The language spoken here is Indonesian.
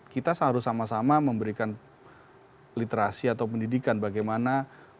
kita harus sama sama memberikan literasi atau pendidikan bagaimana